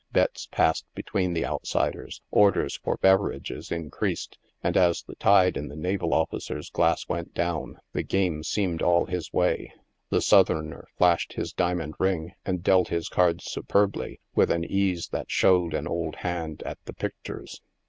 Bets passed between the outsiders, orders for beverages increased, and as the tide in the naval officer's glass went down, the game seemed ^ all his way. The Southerner flashed his diamond ring and dealt his cards superbly, with an ease that showed an old hand at the "picturs."